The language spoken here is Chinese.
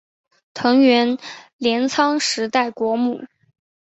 藤原镰仓时代国母。